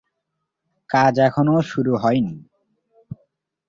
কাজ এখনও শুরু হয়নি।